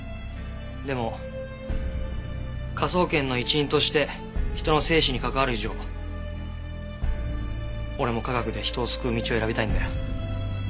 でも科捜研の一員として人の生死に関わる以上俺も科学で人を救う道を選びたいんだよ。